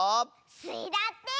スイだって！